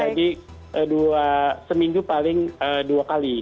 jadi dua seminggu paling dua kali